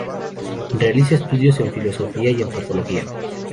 Realiza estudios de filosofía y antropología.